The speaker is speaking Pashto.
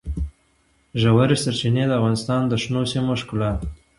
ژورې سرچینې د افغانستان د شنو سیمو ښکلا ده.